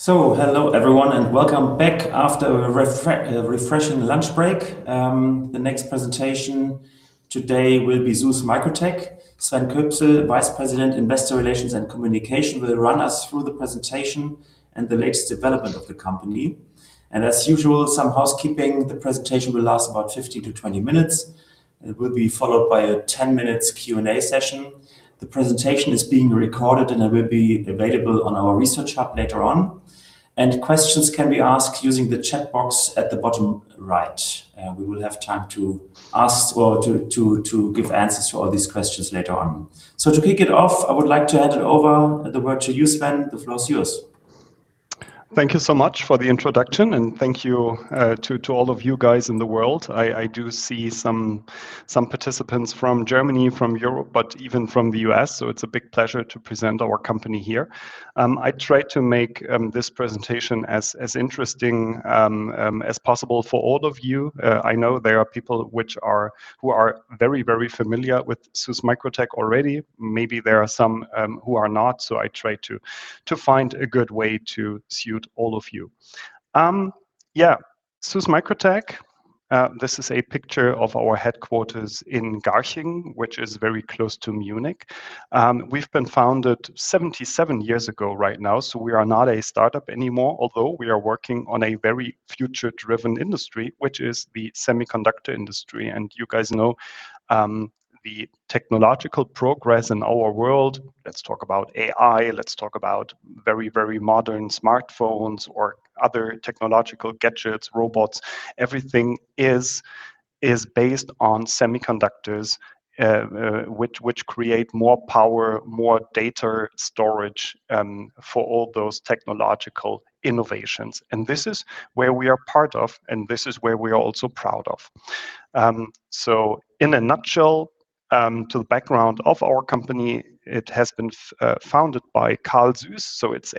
Hello everyone, and welcome back after a refreshing lunch break. The next presentation today will be SÜSS MicroTec. Sven Köpsel, Vice President, Investor Relations and Communication, will run us through the presentation and the latest development of the company. As usual, some housekeeping. The presentation will last about 15-20 minutes, and it will be followed by a 10 minutes Q&A session. The presentation is being recorded and it will be available on our research hub later on, and questions can be asked using the chat box at the bottom right. We will have time to give answers to all these questions later on. To kick it off, I would like to hand over the word to you, Sven. The floor is yours. Thank you so much for the introduction and thank you to all of you guys in the world. I do see some participants from Germany, from Europe, but even from the U.S., so it's a big pleasure to present our company here. I try to make this presentation as interesting as possible for all of you. I know there are people who are very, very familiar with SÜSS MicroTec already. Maybe there are some who are not, so I try to find a good way to suit all of you. Yeah. SÜSS MicroTec. This is a picture of our headquarters in Garching, which is very close to Munich. We've been founded 77 years ago right now, so we are not a startup anymore, although we are working on a very future-driven industry, which is the semiconductor industry. You guys know the technological progress in our world. Let's talk about AI. Let's talk about very, very modern smartphones or other technological gadgets, robots. Everything is based on semiconductors, which create more power, more data storage for all those technological innovations. This is where we are part of, and this is where we are also proud of. In a nutshell, to the background of our company, it has been founded by Karl Süss, so it's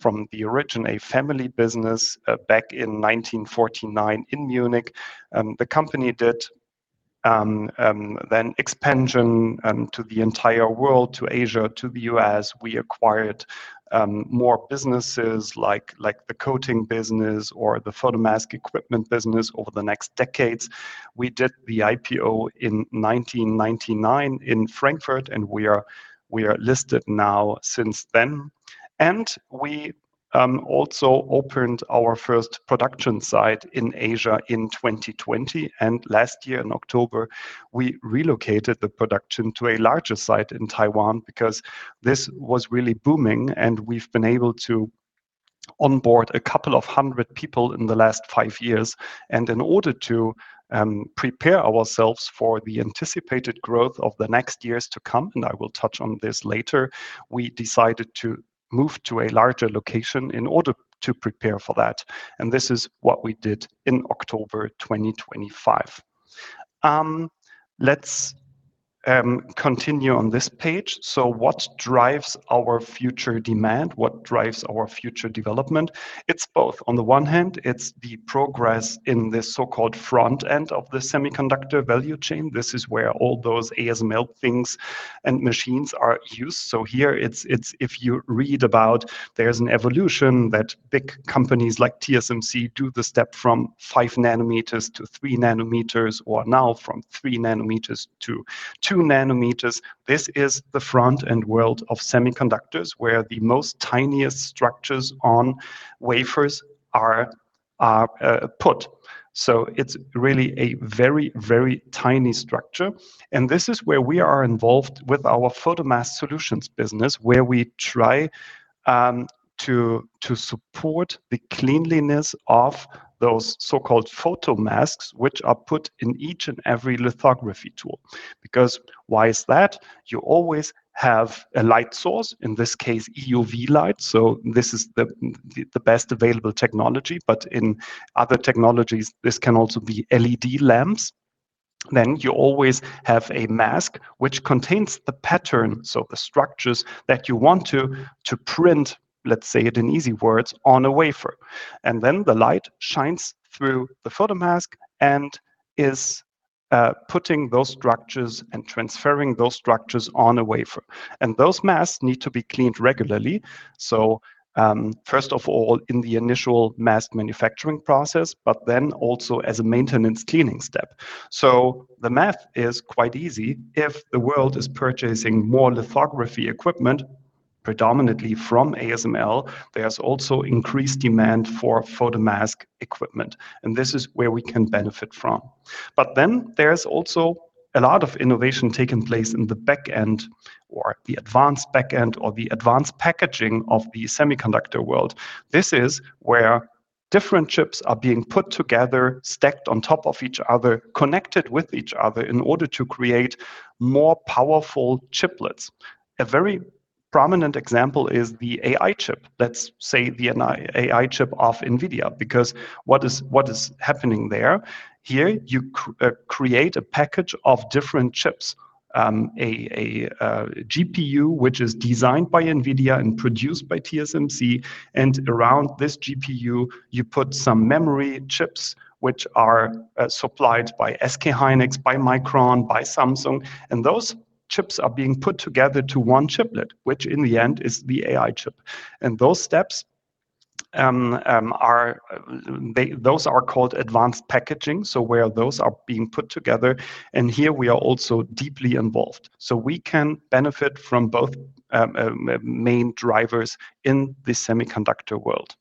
from the origin, a family business, back in 1949 in Munich. The company did then expansion to the entire world, to Asia, to the U.S. We acquired more businesses like the coating business or the photomask equipment business over the next decades. We did the IPO in 1999 in Frankfurt, and we are listed now since then. We also opened our first production site in Asia in 2020. Last year in October, we relocated the production to a larger site in Taiwan because this was really booming, and we've been able to onboard a couple of 100 people in the last five years. In order to prepare ourselves for the anticipated growth of the next years to come, and I will touch on this later, we decided to move to a larger location in order to prepare for that. This is what we did in October 2025. Let's continue on this page. What drives our future demand? What drives our future development? It's both. On the one hand, it's the progress in the so-called front end of the semiconductor value chain. This is where all those ASML things and machines are used. Here, if you read about, there's an evolution that big companies like TSMC do the step from 5 nm-3 nm, or now from 3 nm-2 nm. This is the front-end world of semiconductors, where the most tiniest structures on wafers are put. It's really a very, very tiny structure. This is where we are involved with our Photomask Solutions business, where we try to support the cleanliness of those so-called photomasks, which are put in each and every lithography tool. Because why is that? You always have a light source, in this case, EUV light, so this is the best available technology, but in other technologies, this can also be LED lamps. You always have a mask which contains the pattern, so the structures that you want to print, let's say it in easy words, on a wafer. The light shines through the photomask and is putting those structures and transferring those structures on a wafer. Those masks need to be cleaned regularly, first of all, in the initial mask manufacturing process, but then also as a maintenance cleaning step. The math is quite easy. If the world is purchasing more lithography equipment, predominantly from ASML, there's also increased demand for photomask equipment. This is where we can benefit from. There's also a lot of innovation taking place in the backend or the advanced backend or the advanced packaging of the semiconductor world. This is where different chips are being put together, stacked on top of each other, connected with each other in order to create more powerful chiplets. A very prominent example is the AI chip, let's say the AI chip of NVIDIA, because what is happening there? Here you create a package of different chips, a GPU, which is designed by NVIDIA and produced by TSMC. Around this GPU, you put some memory chips, which are supplied by SK hynix, by Micron, by Samsung. Those chips are being put together to one chiplet, which in the end is the AI chip. Those steps are called advanced packaging, so where those are being put together, and here we are also deeply involved. We can benefit from both main drivers in the semiconductor world.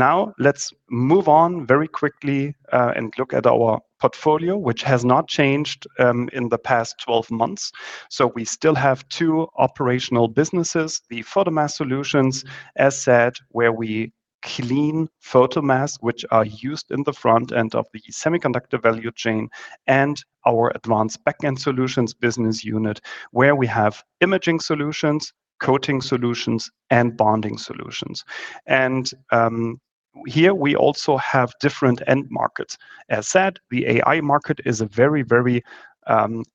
Now, let's move on very quickly and look at our portfolio, which has not changed in the past 12 months. We still have two operational businesses, the Photomask Solutions, as said, where we clean photomasks, which are used in the front end of the semiconductor value chain, and our Advanced Backend Solutions business unit, where we have imaging solutions, coating solutions, and bonding solutions. Here we also have different end markets. As said, the AI market is a very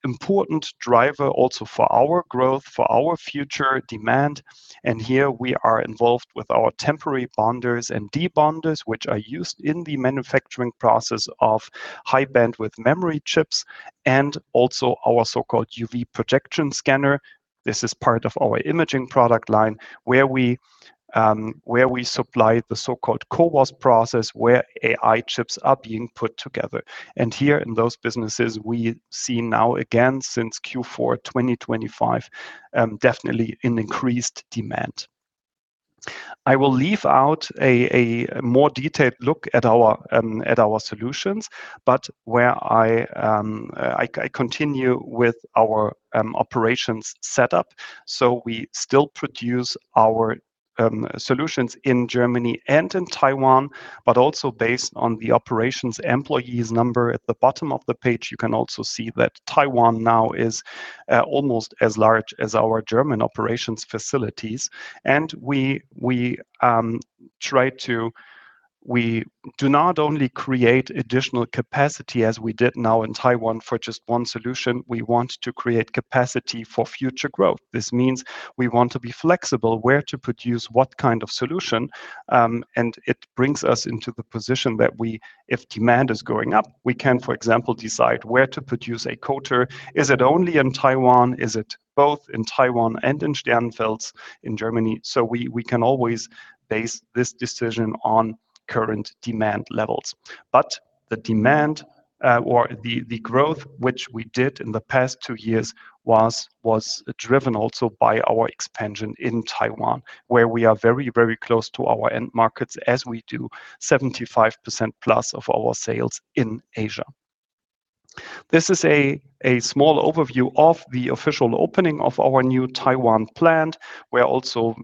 important driver also for our growth, for our future demand, and here we are involved with our temporary bonders and debonders, which are used in the manufacturing process of High Bandwidth Memory chips, and also our so-called UV projection scanner. This is part of our imaging product line, where we supply the so-called CoWoS process, where AI chips are being put together. Here in those businesses, we see now again since Q4 2025, definitely an increased demand. I will leave out a more detailed look at our solutions. Where I continue with our operations setup, we still produce our solutions in Germany and in Taiwan, but also based on the operations employees number at the bottom of the page, you can also see that Taiwan now is almost as large as our German operations facilities. We do not only create additional capacity as we did now in Taiwan for just one solution, we want to create capacity for future growth. This means we want to be flexible where to produce what kind of solution, and it brings us into the position that if demand is going up, we can, for example, decide where to produce a coater. Is it only in Taiwan? Is it both in Taiwan and in Sternenfels in Germany? We can always base this decision on current demand levels. The demand or the growth which we did in the past two years was driven also by our expansion in Taiwan, where we are very close to our end markets as we do 75%+ of our sales in Asia. This is a small overview of the official opening of our new Taiwan plant, where also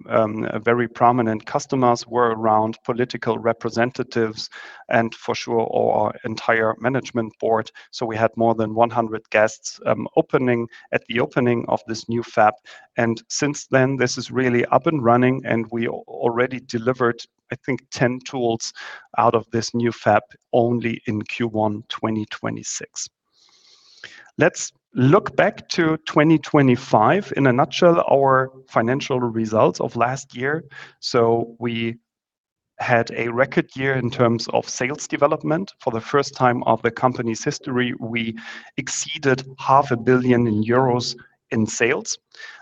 very prominent customers were around, political representatives, and for sure our entire Management Board. We had more than 100 guests at the opening of this new fab. Since then, this is really up and running and we already delivered, I think, 10 tools out of this new fab only in Q1 2026. Let's look back to 2025. In a nutshell, our financial results of last year, we had a record year in terms of sales development. For the first time of the company's history, we exceeded 500 million euros in sales.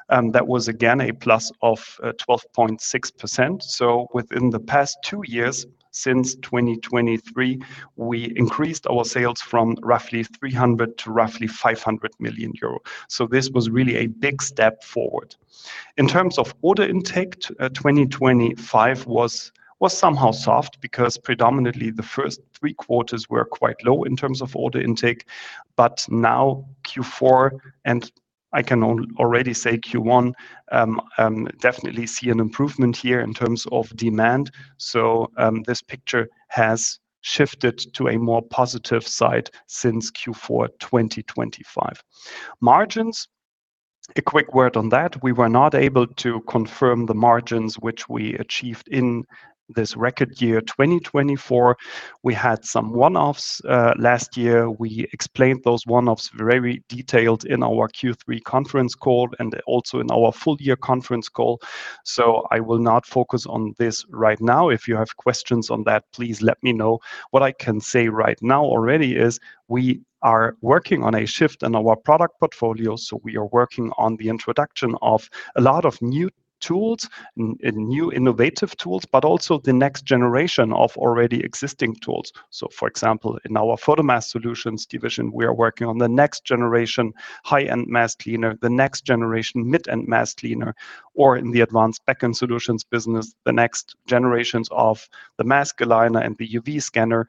That was again a plus of 12.6%. Within the past two years, since 2023, we increased our sales from roughly 300 million to roughly 500 million euro. This was really a big step forward. In terms of order intake, 2025 was somehow soft because predominantly the first three quarters were quite low in terms of order intake. Now Q4, and I can already say Q1, definitely see an improvement here in terms of demand. This picture has shifted to a more positive side since Q4 2025. Margins, a quick word on that. We were not able to confirm the margins which we achieved in this record year 2024. We had some one-offs last year. We explained those one-offs very detailed in our Q3 conference call and also in our full-year conference call. I will not focus on this right now. If you have questions on that, please let me know. What I can say right now already is we are working on a shift in our product portfolio. We are working on the introduction of a lot of new tools and new innovative tools, but also the next generation of already existing tools. For example, in our Photomask Solutions division, we are working on the next-generation high-end mask cleaner, the next-generation mid-end mask cleaner, or in the Advanced Backend Solutions business, the next generations of the mask aligner and the UV scanner.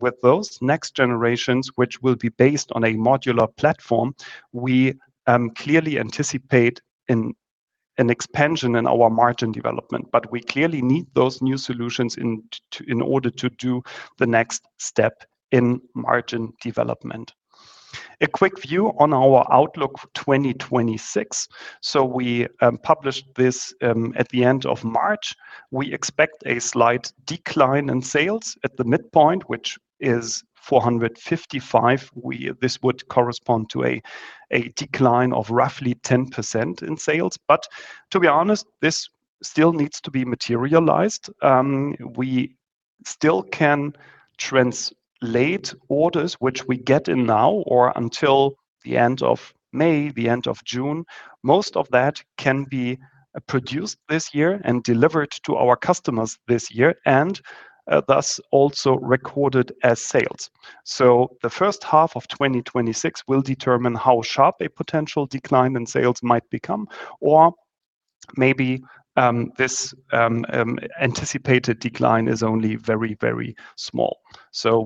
With those next generations, which will be based on a modular platform, we clearly anticipate an expansion in our margin development. We clearly need those new solutions in order to do the next step in margin development. A quick view on our outlook for 2026. We published this at the end of March. We expect a slight decline in sales at the midpoint, which is 455. This would correspond to a decline of roughly 10% in sales. To be honest, this still needs to be materialized. We still can translate orders which we get in now or until the end of May, the end of June. Most of that can be produced this year and delivered to our customers this year, and thus also recorded as sales. The first half of 2026 will determine how sharp a potential decline in sales might become, or maybe this anticipated decline is only very, very small.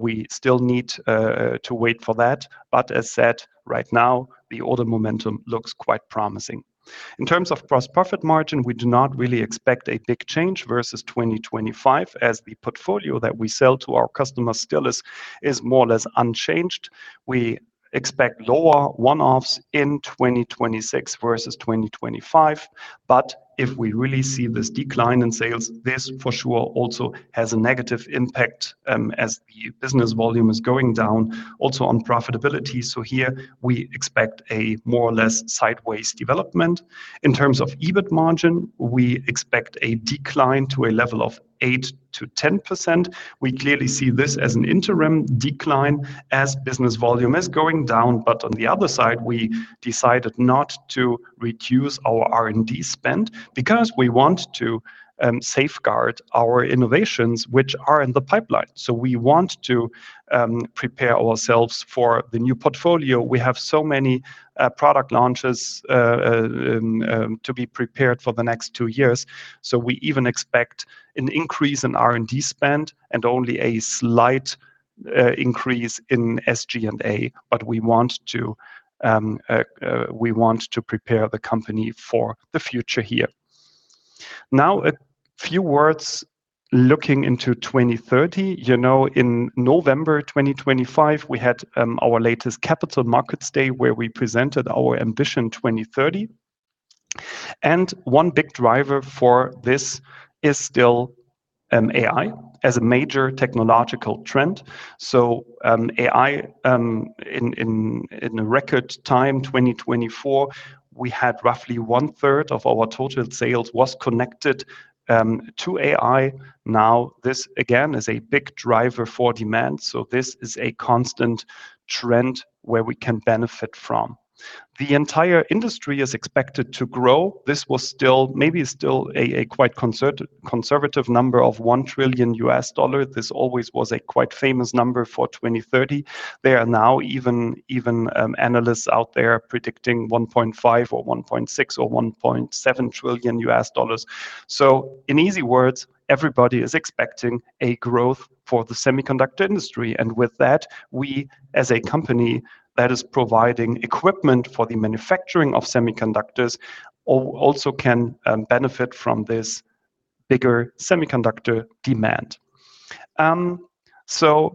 We still need to wait for that. As said, right now, the order momentum looks quite promising. In terms of gross profit margin, we do not really expect a big change versus 2025 as the portfolio that we sell to our customers still is more or less unchanged. We expect lower one-offs in 2026 versus 2025. If we really see this decline in sales, this for sure also has a negative impact, as the business volume is going down also on profitability. Here we expect a more or less sideways development. In terms of EBIT margin, we expect a decline to a level of 8%-10%. We clearly see this as an interim decline as business volume is going down. On the other side, we decided not to reduce our R&D spend because we want to safeguard our innovations which are in the pipeline. We want to prepare ourselves for the new portfolio. We have so many product launches to be prepared for the next two years. We even expect an increase in R&D spend and only a slight increase in SG&A. We want to prepare the company for the future here. Now, a few words looking into 2030. In November 2025, we had our latest Capital Markets Day where we presented our Ambition 2030. One big driver for this is still AI as a major technological trend. AI, in a record time, 2024, we had roughly 1/3 of our total sales was connected to AI. Now, this again is a big driver for demand. This is a constant trend where we can benefit from. The entire industry is expected to grow. This was maybe still a quite conservative number of $1 trillion. This always was a quite famous number for 2030. There are now even analysts out there predicting $1.5 trillion or $1.6 trillion or $1.7 trillion. In easy words, everybody is expecting a growth for the semiconductor industry. With that, we as a company that is providing equipment for the manufacturing of semiconductors, also can benefit from this bigger semiconductor demand.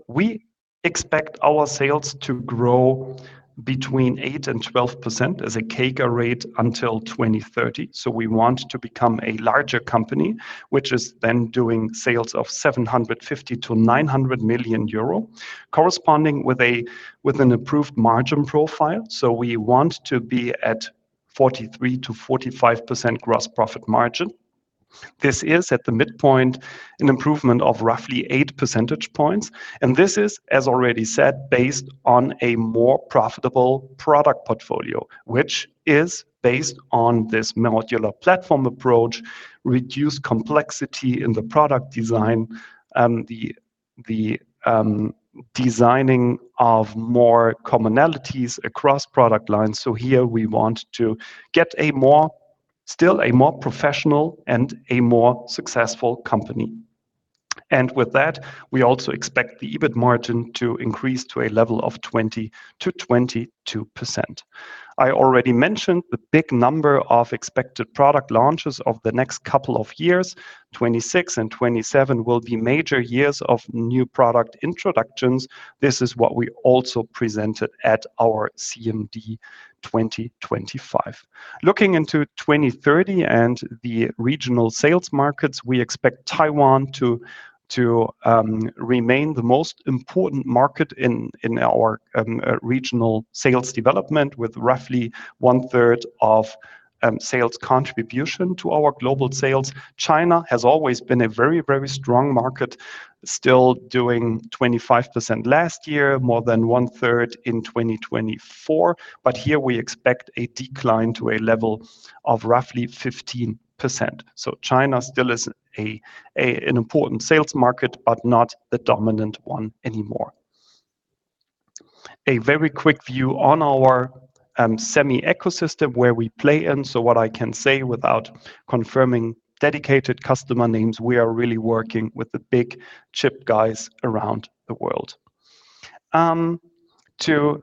We expect our sales to grow between 8% and 12% as a CAGR rate until 2030. We want to become a larger company, which is then doing sales of 750 million-900 million euro corresponding with an improved margin profile. We want to be at 43%-45% gross profit margin. This is at the midpoint, an improvement of roughly eight percentage points. This is, as already said, based on a more profitable product portfolio, which is based on this modular platform approach, reduced complexity in the product design, and the designing of more commonalities across product lines. Here we want to get still a more professional and a more successful company. With that, we also expect the EBIT margin to increase to a level of 20%-22%. I already mentioned the big number of expected product launches of the next couple of years. 2026 and 2027 will be major years of new product introductions. This is what we also presented at our CMD 2025. Looking into 2030 and the regional sales markets, we expect Taiwan to remain the most important market in our regional sales development, with roughly 1/3 of sales contribution to our global sales. China has always been a very, very strong market, still doing 25% last year, more than 1/3 in 2024. Here we expect a decline to a level of roughly 15%. China still is an important sales market, but not the dominant one anymore. A very quick view on our semi ecosystem where we play in. What I can say without confirming dedicated customer names, we are really working with the big chip guys around the world. To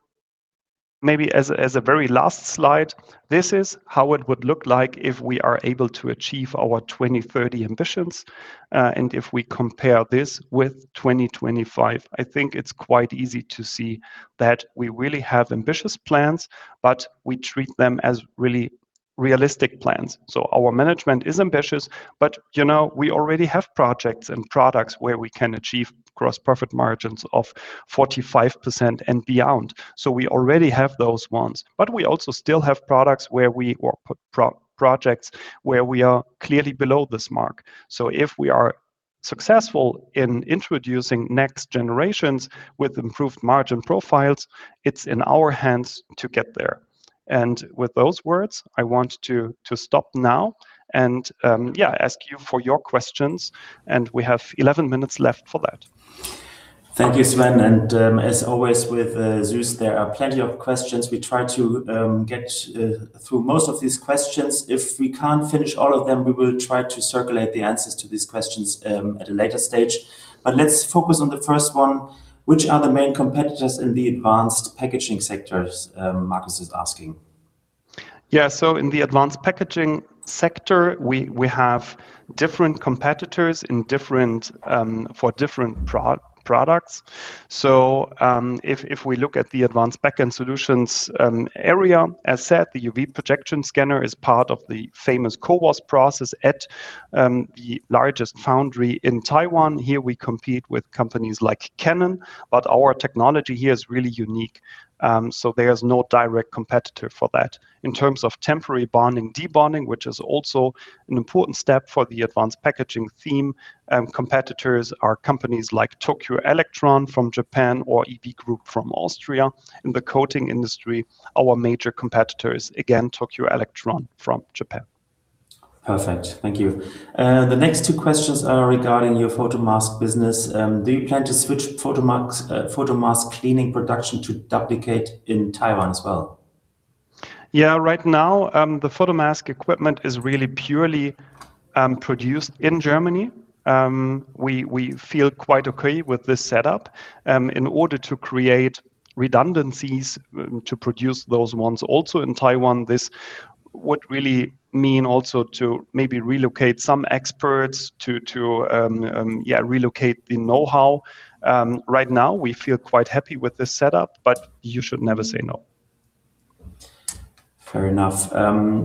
maybe as a very last slide, this is how it would look like if we are able to achieve our 2030 ambitions. If we compare this with 2025, I think it's quite easy to see that we really have ambitious plans, but we treat them as really realistic plans. Our Management is ambitious, but we already have projects and products where we can achieve gross profit margins of 45% and beyond. We already have those ones. We also still have projects where we are clearly below this mark. If we are successful in introducing next generations with improved margin profiles, it's in our hands to get there. With those words, I want to stop now and yeah, ask you for your questions. We have 11 minutes left for that. Thank you, Sven. As always with SÜSS, there are plenty of questions. We try to get through most of these questions. If we can't finish all of them, we will try to circulate the answers to these questions at a later stage. Let's focus on the first one. Which are the main competitors in the advanced packaging sectors? Marcus is asking. Yeah. In the advanced packaging sector, we have different competitors for different products. If we look at the Advanced Backend Solutions area, as said, the UV projection scanner is part of the famous CoWoS process at the largest foundry in Taiwan. Here we compete with companies like Canon, but our technology here is really unique, so there's no direct competitor for that. In terms of temporary bonding, debonding, which is also an important step for the advanced packaging theme, competitors are companies like Tokyo Electron from Japan or EV Group from Austria. In the coating industry, our major competitor is, again, Tokyo Electron from Japan. Perfect. Thank you. The next two questions are regarding your photomask business. Do you plan to switch photomask cleaning production to the plant in Taiwan as well? Yeah. Right now, the photomask equipment is really purely produced in Germany. We feel quite okay with this setup. In order to create redundancies to produce those ones also in Taiwan, this would really mean also to maybe relocate some experts, to relocate the know-how. Right now, we feel quite happy with this setup, but you should never say no. Fair enough.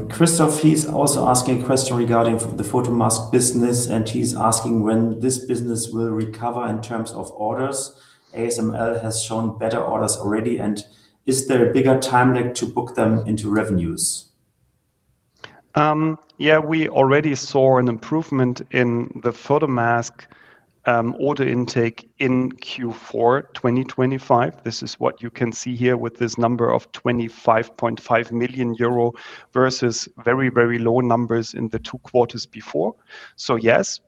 Christoph, he's also asking a question regarding the photomask business, and he's asking when this business will recover in terms of orders. ASML has shown better orders already. Is there a bigger timeline to book them into revenues? Yeah. We already saw an improvement in the photomask order intake in Q4 2025. This is what you can see here with this number of 25.5 million euro versus very low numbers in the two quarters before. Yes,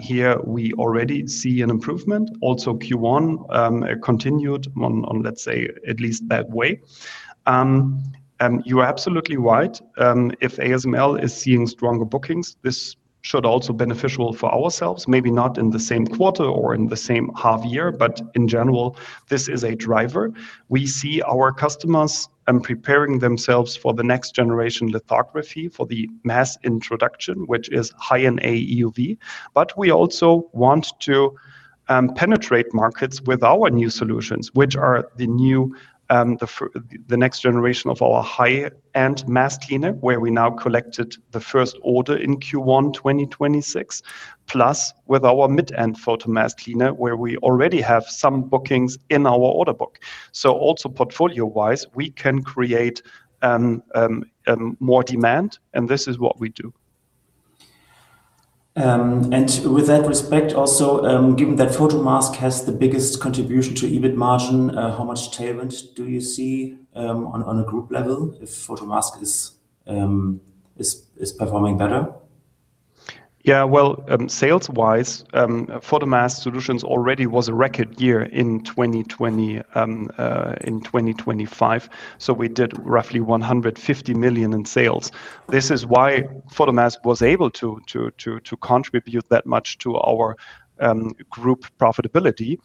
here we already see an improvement. Also Q1 continued on, let's say, at least that way. You are absolutely right. If ASML is seeing stronger bookings, this should also be beneficial for ourselves, maybe not in the same quarter or in the same half-year, but in general, this is a driver. We see our customers preparing themselves for the next-generation lithography for the mass introduction, which is high-NA EUV. We also want to penetrate markets with our new solutions, which are the next generation of our high-end mask cleaner, where we now collected the first order in Q1 2026, plus with our mid-end photomask cleaner, where we already have some bookings in our order book. Also portfolio-wise, we can create more demand, and this is what we do. With that respect also, given that Photomask has the biggest contribution to EBIT margin, how much tailwind do you see on a group level if Photomask is performing better? Yeah. Well, sales-wise, Photomask Solutions already was a record year in 2025. We did roughly 150 million in sales. This is why Photomask was able to contribute that much to our group profitability.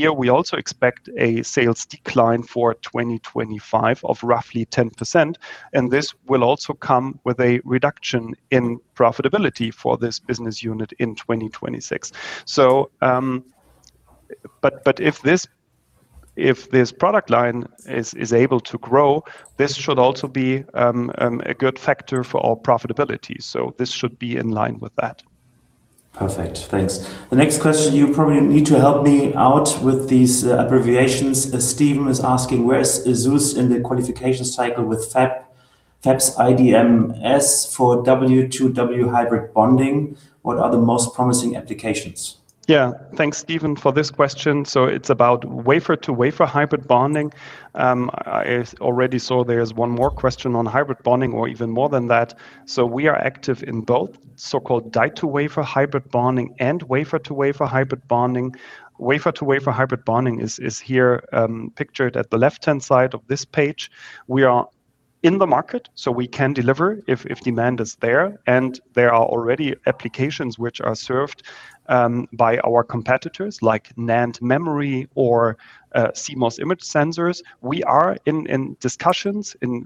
Here we also expect a sales decline for 2025 of roughly 10%, and this will also come with a reduction in profitability for this business unit in 2026. If this product line is able to grow, this should also be a good factor for our profitability. This should be in line with that. Perfect. Thanks. The next question, you probably need to help me out with these abbreviations. Steven is asking, where is SÜSS in the qualification cycle with fabs and IDMs for W2W hybrid bonding? What are the most promising applications? Yeah. Thanks, Steven, for this question. It's about wafer-to-wafer hybrid bonding. I already saw there's one more question on hybrid bonding or even more than that. We are active in both so-called die-to-wafer hybrid bonding and wafer-to-wafer hybrid bonding. Wafer-to-wafer hybrid bonding is here pictured at the left-hand side of this page. We are in the market, so we can deliver if demand is there, and there are already applications which are served by our competitors like NAND memory or CMOS image sensors. We are in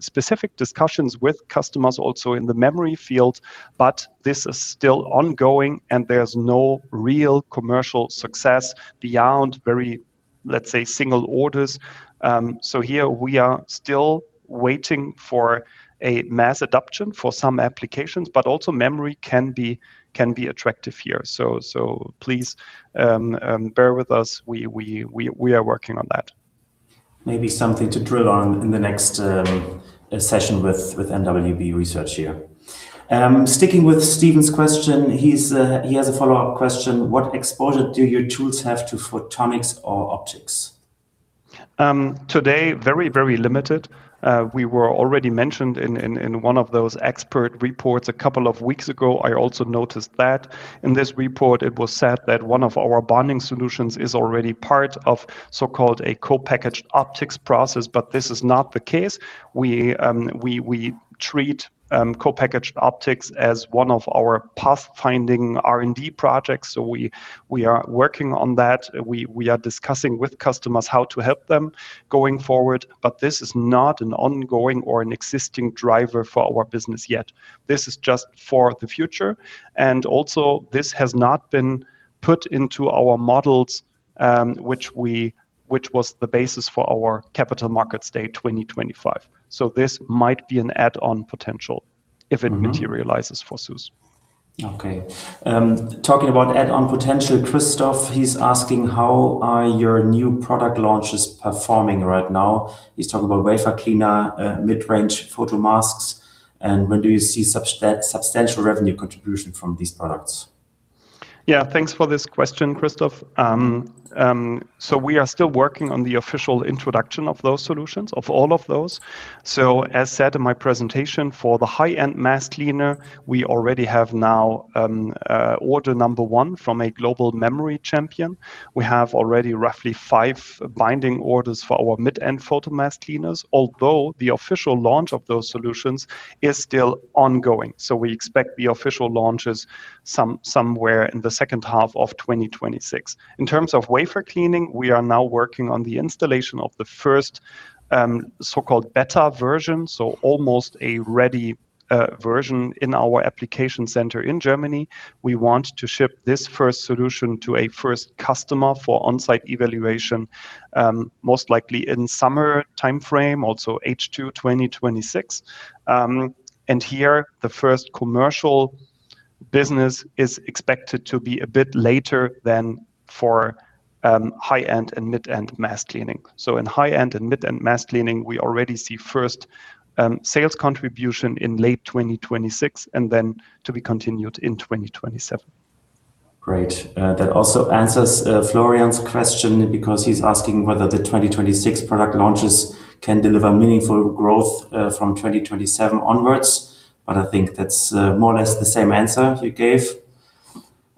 specific discussions with customers also in the memory field, but this is still ongoing and there's no real commercial success beyond very, let's say, single orders. Here we are still waiting for a mass adoption for some applications, but also memory can be attractive here. Please bear with us. We are working on that. Maybe something to drill on in the next session with mwb research here. Sticking with Steven's question, he has a follow-up question. What exposure do your tools have to photonics or optics? Today, very limited. We were already mentioned in one of those expert reports a couple of weeks ago. I also noticed that in this report it was said that one of our bonding solutions is already part of so-called a co-packaged optics process, but this is not the case. We treat co-packaged optics as one of our path-finding R&D projects. We are working on that. We are discussing with customers how to help them going forward, but this is not an ongoing or an existing driver for our business yet. This is just for the future, and also this has not been put into our models which was the basis for our Capital Markets Day 2025. This might be an add-on potential if it materializes for SÜSS. Okay. Talking about add-on potential, Christoph, he's asking how are your new product launches performing right now? He's talking about wafer cleaner, mid-range photomasks, and when do you see substantial revenue contribution from these products? Yeah. Thanks for this question, Christoph. We are still working on the official introduction of those solutions, of all of those. As said in my presentation, for the high-end mask cleaner, we already have now order number one from a global memory champion. We have already roughly five binding orders for our mid-end photomask cleaners, although the official launch of those solutions is still ongoing. We expect the official launches somewhere in the second half of 2026. In terms of wafer cleaning, we are now working on the installation of the first so-called beta version, so almost a ready version in our application center in Germany. We want to ship this first solution to a first customer for on-site evaluation, most likely in summer timeframe, also H2 2026. Here, the first commercial business is expected to be a bit later than for high-end and mid-end mask cleaning. In high-end and mid-end mask cleaning, we already see first sales contribution in late 2026, and then to be continued in 2027. Great. That also answers Florian's question because he's asking whether the 2026 product launches can deliver meaningful growth from 2027 onwards. I think that's more or less the same answer you gave.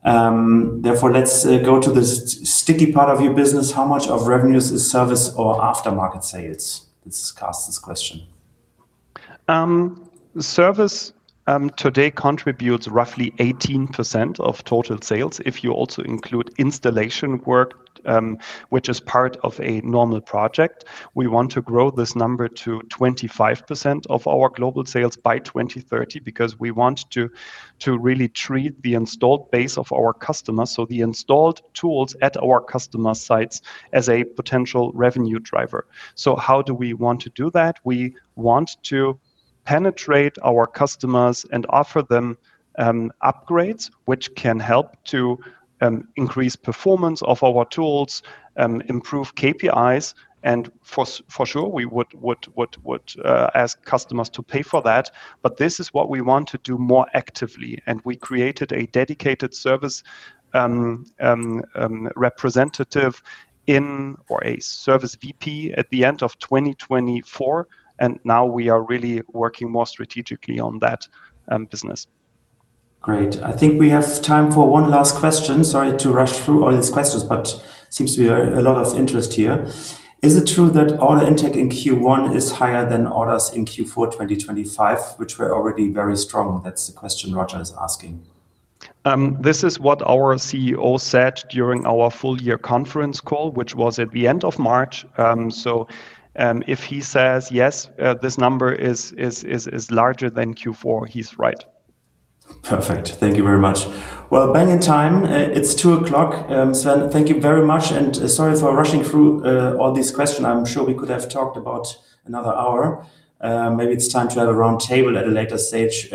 Therefore, let's go to the sticky part of your business. How much of revenues is service or aftermarket sales? This is Carson's question. Service today contributes roughly 18% of total sales if you also include installation work, which is part of a normal project. We want to grow this number to 25% of our global sales by 2030, because we want to really treat the installed base of our customers, so the installed tools at our customer sites, as a potential revenue driver. How do we want to do that? We want to penetrate our customers and offer them upgrades, which can help to increase performance of our tools and improve KPIs. For sure, we would ask customers to pay for that. This is what we want to do more actively. We created a dedicated Service VP at the end of 2024, and now we are really working more strategically on that business. Great. I think we have time for one last question. Sorry to rush through all these questions, but seems to be a lot of interest here. Is it true that order intake in Q1 is higher than orders in Q4 2025, which were already very strong? That's the question Roger is asking. This is what our CEO said during our full year conference call, which was at the end of March. If he says yes, this number is larger than Q4, he's right. Perfect. Thank you very much. Well, bang in time. It's 2:00 P.M. Sven, thank you very much, and sorry for rushing through all these questions. I'm sure we could have talked about another hour. Maybe it's time to have a round table at a later stage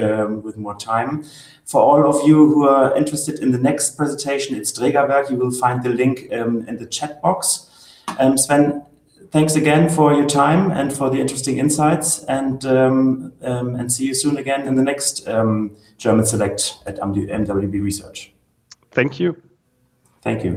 with more time. For all of you who are interested in the next presentation, it's Drägerwerk. You will find the link in the chat box. Sven, thanks again for your time and for the interesting insights, and see you soon again in the next German Select at mwb research. Thank you. Thank you.